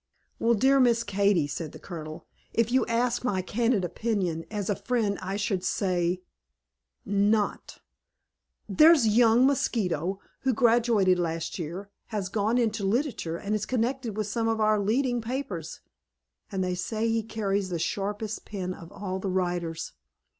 "Well, dear Miss Katy," said the Colonel, "if you ask my candid opinion as a friend, I should say not. there's young Mosquito, who graduated last year, has gone into literature, and is connected with some of our leading papers, and they say he carries the sharpest pen of all the writers.